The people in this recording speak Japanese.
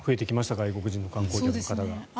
外国人の観光客の方が。